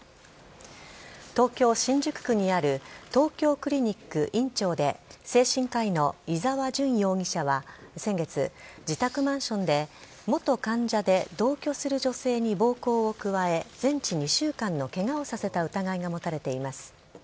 東京・新宿区にある東京クリニック院長で、精神科医の伊沢純容疑者は、先月自宅マンションで、元患者で同居する女性に暴行を加え、全治２週間のけがをさせた疑いが持たれています。